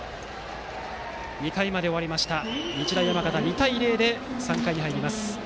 ２回まで終わって日大山形、２対０で３回に入ります。